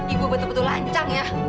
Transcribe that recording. ibu betul betul lancang ya